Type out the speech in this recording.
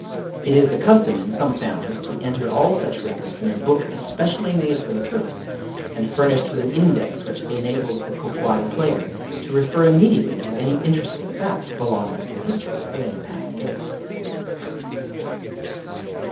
It is the custom In some families to enter all such records in a book especially made for the purpose, and furnished with an index which enables the Kō kwai player to refer immediately to any interesting fact belonging to the history of any past game.